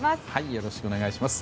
よろしくお願いします。